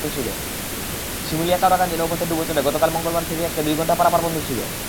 শিমুলিয়া-কাওড়াকান্দি নৌপথের ডুবোচরে গতকাল মঙ্গলবার ফেরি আটকে দুই ঘণ্টা পারাপার বন্ধ ছিল।